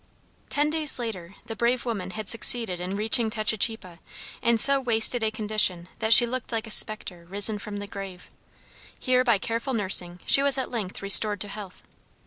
Ten days later the brave woman had succeeded in reaching Techichipa in so wasted a condition that she looked like a specter risen from the grave. Here by careful nursing she was at length restored to health.